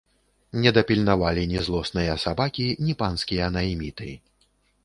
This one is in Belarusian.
Не дапільнавалі ні злосныя сабакі, ні панскія найміты.